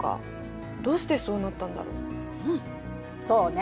どうしてそうなったんだろう。